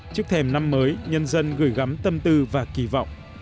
trước thềm năm mới nhân dân gửi gắm tâm tư và kỳ vọng